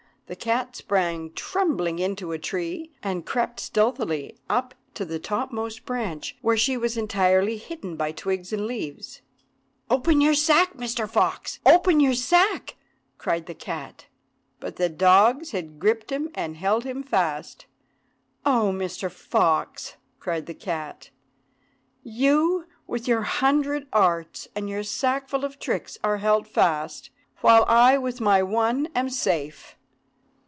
The cat sprang trembling into a tree, and crept stealthily up to the topmost branch, where she was entirely hidden by twigs and leaves. "Open your sack, Mr. Fox! open your sack!" cried the cat, but the dogs had gripped him, and held him fast. "Oh, Mr. Fox!" cried the cat, "you with your hundred arts, and your sackful of tricks, are held fast, while I, with my one, am safe.